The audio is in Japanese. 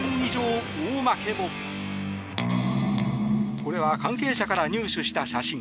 これは関係者から入手した写真。